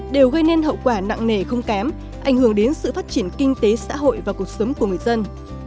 đều gây nên hậu quả nặng nề không kém ảnh hưởng đến sự phát triển kinh tế xã hội và cuộc sống của người dân